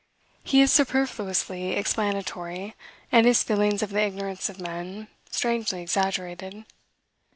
He is superfluously explanatory, and his feelings of the ignorance of men, strangely exaggerated.